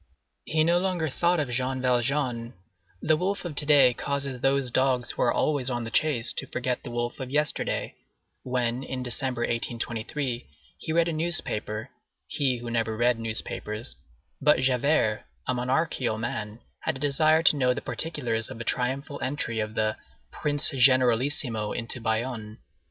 He no longer thought of Jean Valjean,—the wolf of to day causes these dogs who are always on the chase to forget the wolf of yesterday,—when, in December, 1823, he read a newspaper, he who never read newspapers; but Javert, a monarchical man, had a desire to know the particulars of the triumphal entry of the "Prince Generalissimo" into Bayonne.